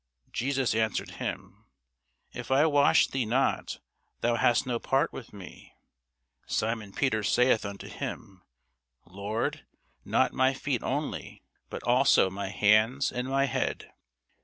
Jesus answered him, If I wash thee not, thou hast no part with me. Simon Peter saith unto him, Lord, not my feet only, but also my hands and my head.